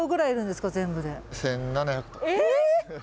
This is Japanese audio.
え！